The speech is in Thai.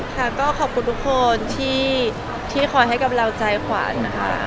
ค่ะก็ขอบคุณทุกคนที่คอยให้กำลังใจขวัญค่ะ